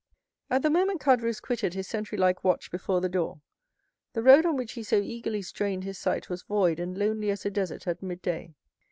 At the moment Caderousse quitted his sentry like watch before the door, the road on which he so eagerly strained his sight was void and lonely as a desert at midday.